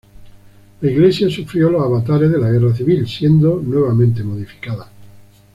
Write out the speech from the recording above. La iglesia sufrió los avatares de la Guerra Civil, siendo nuevamente modificada.